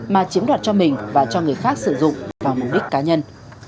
mà chiếm đoạt cho mình và cho người khác sử dụng vào mục đích cá nhân